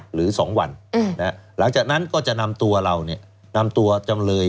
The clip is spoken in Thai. หรือ๒วันหลังจากนั้นก็จะนำตัวเรานำตัวจำเลย